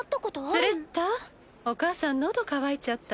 スレッタお母さん喉渇いちゃった。